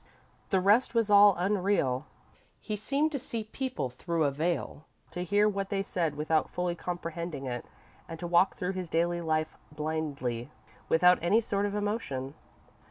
The rest was all unreal. He seemed to see people through a veil, to hear what they said without fully comprehending it, and to walk through his daily life blindly, without any sort of emotion.